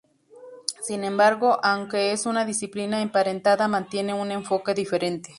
Sin embargo, aunque es una disciplina emparentada mantiene un enfoque diferente.